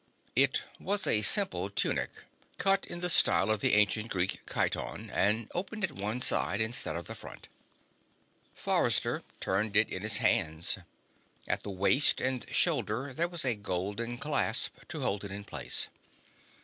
It was a simple tunic, cut in the style of the ancient Greek chiton, and open at one side instead of the front. Forrester turned it in his hands. At the waist and shoulder there was a golden clasp to hold it in place.